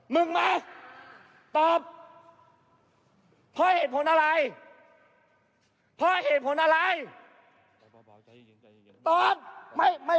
เพราะเหตุผลอะไร